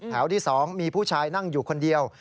ที่๒มีผู้ชายนั่งอยู่คนเดียว